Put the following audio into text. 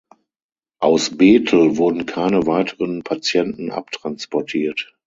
Aus Bethel wurden keine weiteren Patienten abtransportiert.